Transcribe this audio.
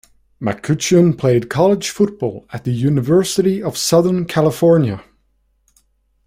McCutcheon played college football at the University of Southern California.